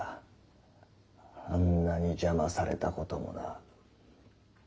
あんなにじゃまされたこともな。